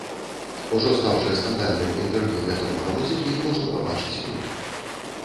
Ужо стаўшае скандальным інтэрв'ю вядомага музыкі можна пабачыць тут.